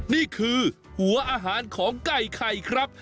นี่คือหัวอาหารของไก่ไข่ครับ